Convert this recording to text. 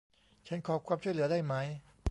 ฉันขอความช่วยเหลือได้ไหม